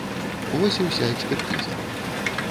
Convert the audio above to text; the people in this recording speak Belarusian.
Вось і ўся экспертыза.